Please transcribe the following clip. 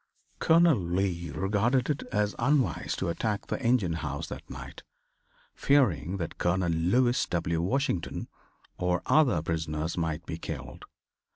Colonel Lee regarded it as unwise to attack the engine house that night, fearing that Colonel Lewis W. Washington or other prisoners might be killed.